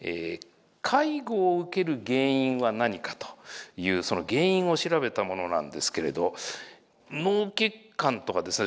介護を受ける原因は何かというその原因を調べたものなんですけれど脳血管とかですね